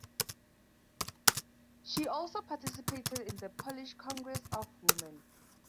She also participated in the Polish (Congress of Women).